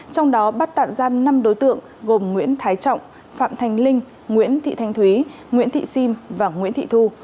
trong đó bắt tạm giam năm đối tượng gồm nguyễn thái trọng phạm thành linh nguyễn thị thanh thúy nguyễn thị sim và nguyễn thị thu